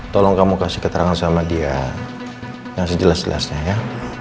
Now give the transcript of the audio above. tolong kamu kasih keterangan sama dia yang sejelas jelasnya ya